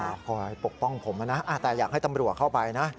คอยปกป้องผมนะแต่อยากให้ตำรวจเข้าไปนะ